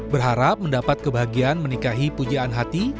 berharap mendapat kebahagiaan menikahi pujian hati